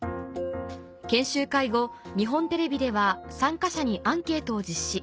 研修会後日本テレビでは参加者にアンケートを実施